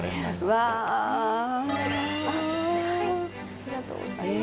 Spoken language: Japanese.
ありがとうございます。